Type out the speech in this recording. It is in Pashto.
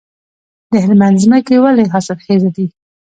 د هلمند ځمکې ولې حاصلخیزه دي؟